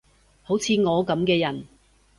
好似我噉嘅人